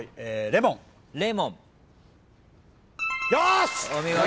よし！！